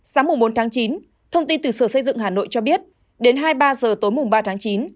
sáng bốn chín thông tin từ sở xây dựng hà nội cho biết đến hai mươi ba h tối ba chín